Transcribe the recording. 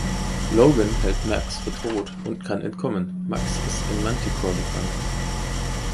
Logan hält Max für tot und kann entkommen, Max ist in Manticore gefangen.